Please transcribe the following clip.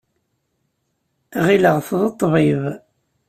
Ɣileɣ-t d ṭṭbib.